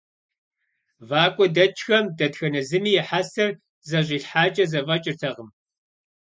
ВакӀуэ дэкӀхэм дэтхэнэ зыми и хьэсэр зэщӀилъхьакӀэ зэфӀэкӀыртэкъым.